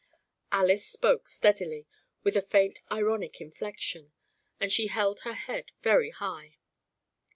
Alys spoke steadily, with a faint ironic inflection, and she held her head very high.